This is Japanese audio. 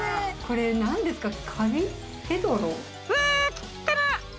これなんですか？